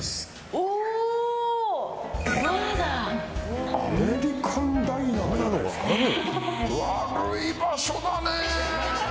悪い場所だね。